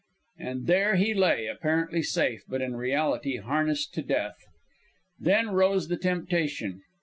And there he lay, apparently safe, but in reality harnessed to death. Then rose the temptation.